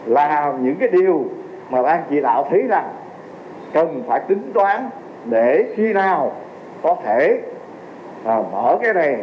là những cái điều mà ban chỉ đạo thấy rằng cần phải tính toán để khi nào có thể mở cái này